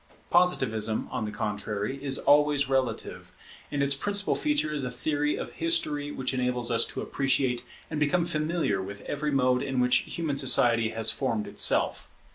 Positivism, on the contrary, is always relative; and its principal feature is a theory of history which enables us to appreciate and become familiar with every mode in which human society has formed itself.